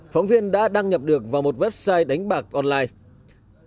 phóng viên đã đăng nhập được vào một website đánh bạc online